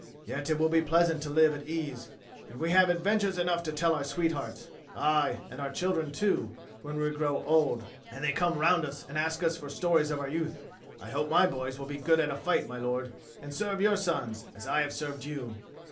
Yet it will be pleasant to live at ease: and we have adventures enough to tell our sweethearts, aye, and our children too, when we grow old, and they come round us and ask us for stories of our youth. I hope my boys will be good at a fight, my lord, and serve your sons as I have served you."